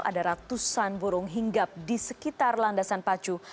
ada ratusan burung hinggap di sekitar landasan pacu